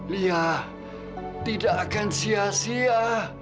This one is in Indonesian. lihat tidak akan sia sia